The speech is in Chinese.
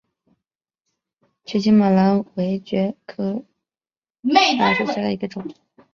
曲茎马蓝为爵床科马蓝属下的一个种。